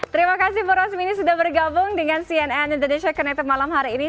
terima kasih bu rosmini sudah bergabung dengan cnn indonesia connected malam hari ini